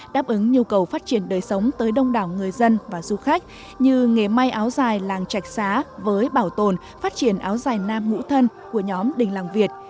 đáp ứng nhu cầu phát triển đời sống tới đông đảo người dân và du khách như nghề may áo dài làng trạch xá với bảo tồn phát triển áo dài nam ngũ thân của nhóm đình làng việt